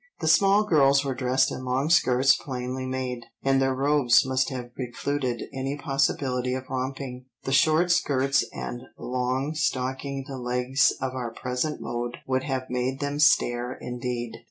The small girls were dressed in long skirts plainly made, and their robes must have precluded any possibility of romping; the short skirts and long stockinged legs of our present mode would have made them stare indeed.